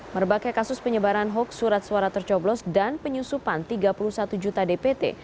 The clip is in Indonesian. merbakai kasus penyebaran hoax surat suara tercoblos dan penyusupan tiga puluh satu juta dpt